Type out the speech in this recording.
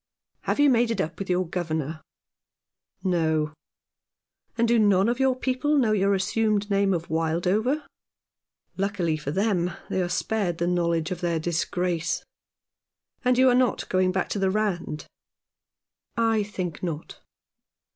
" Have you made it up with your governor ?" "No." "And do none of your people know your assumed name of Wildover ?"" Luckily for them, they are spared the know ledge of their disgrace." " And you are not going back to the Rand ?"" I think not."